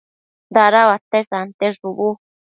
dada uate sante shubu